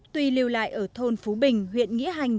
tuy lưu lại ở thôn phú bình huyện nghĩa hành